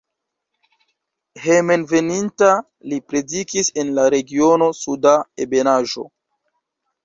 Hejmenveninta li predikis en la regiono Suda Ebenaĵo.